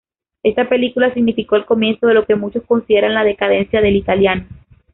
Esta película significó el comienzo de lo que muchos consideran la decadencia del italiano.